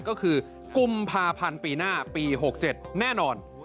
ก็คือกุมภาพันธ์ปีหน้าปี๖๗แน่นอน